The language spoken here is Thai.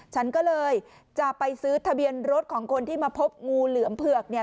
ฉันก็เลยจะไปซื้อทะเบียนรถของคนที่มาพบงูเหลือมเผือกเนี่ย